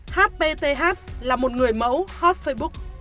hpth là một người mẫu hot facebook